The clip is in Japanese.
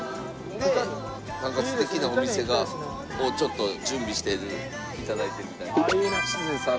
でなんか素敵なお店をちょっと準備していただいてるみたいなんで。